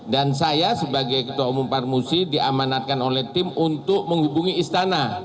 dan saya sebagai ketua umum parmusi diamanatkan oleh tim untuk menghubungi istana